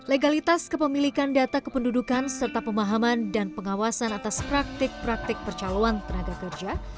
legalitas kepemilikan data kependudukan serta pemahaman dan pengawasan atas praktik praktik percaloan tenaga kerja